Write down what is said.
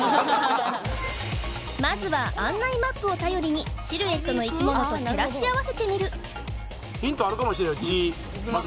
まずは案内マップを頼りにシルエットの生き物と照らし合わせてみるヒントあるかもしれんジ